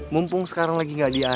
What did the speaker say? mumpung sekarang lagi gak diantar ya